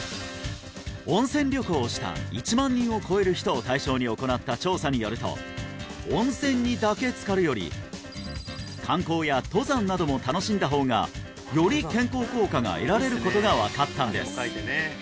温泉旅行をした１万人を超える人を対象に行った調査によると温泉にだけつかるより観光や登山なども楽しんだ方がより健康効果が得られることが分かったんです